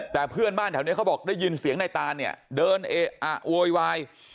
แต่เพื่อนบ้านแถวนี้เขาบอกได้ยินเสียงในตานเดินโวยวาย